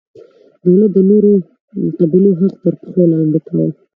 دولت د نورو قبیلو حق تر پښو لاندې کاوه.